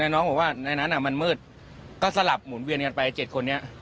น้องบอกว่าในนั้นมันมืดก็สลับหมุนเวียนกันไป๗คนนี้